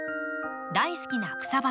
大好きな草花